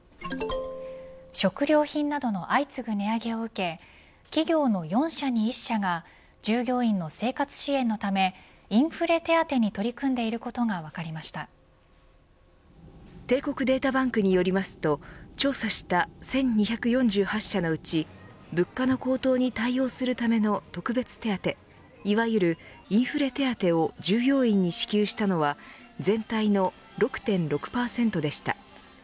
食料品などの相次ぐ値上げを受け企業の４社に１社が従業員の生活支援のためインフレ手当に取り組んで帝国データバンクによりますと調査した１２４８社のうち物価の高騰に対応するための特別手当いわゆるインフレ手当を従業員に支給したのは全体の６．６％でした。